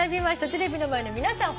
テレビの前の皆さん